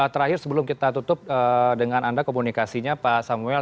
terakhir sebelum kita tutup dengan anda komunikasinya pak samuel